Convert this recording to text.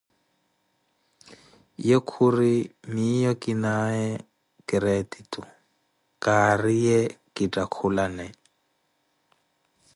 Ye khuri miyo kinaye keretitu, kariye kittakhulane.